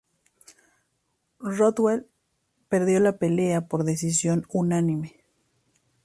Rothwell perdió la pelea por decisión unánime.